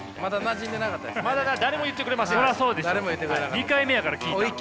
２回目やから聞いたの。